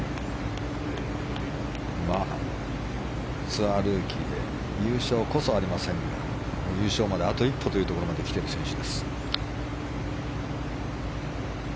ツアールーキーで優勝こそありませんが優勝まであと一歩というところまできている選手です。